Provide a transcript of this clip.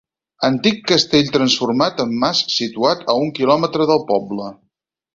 Antic castell transformat en mas situat a un quilòmetre del poble.